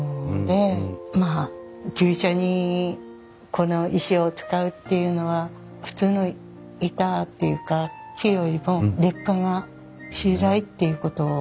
まあ牛舎にこの石を使うっていうのは普通の板っていうか木よりも劣化がしづらいっていうことだと思うんですけれども。